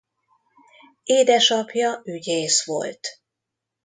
Édesapja ügyész volt.